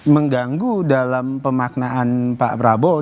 mengganggu dalam pemaknaan pak prabowo